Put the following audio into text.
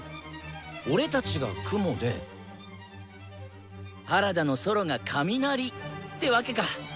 俺たちが「雲」で原田のソロが「雷」ってわけか。